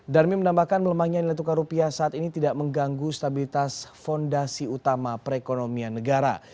darmi menambahkan melemahnya nilai tukar rupiah saat ini tidak mengganggu stabilitas fondasi utama perekonomian negara